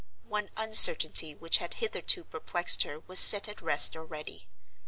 One uncertainty which had hitherto perplexed her was set at rest already.